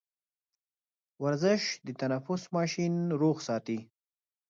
ورزش د تنفس ماشين روغ ساتي.